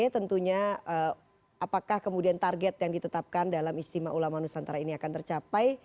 tentunya apakah kemudian target yang ditetapkan dalam istimewa ulama nusantara ini akan tercapai